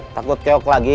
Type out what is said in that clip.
takut keok lagi